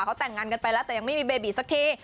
เขาแต่งงานกันไปแล้วแต่ยังไม่มีเบบีสักที